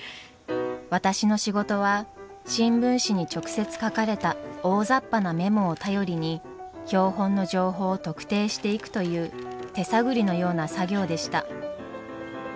私の仕事は新聞紙に直接書かれた大ざっぱなメモを頼りに標本の情報を特定していくという手探りのような作業でした。